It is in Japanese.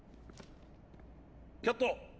キャット！